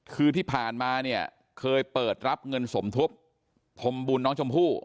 คือที่ผ่านมาเนี่ยเคยเปิดรับเงินสมทบพรมบุญน้องชมพู่